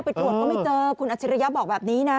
ไปตรวจก็ไม่เจอคุณอัจฉริยะบอกแบบนี้นะ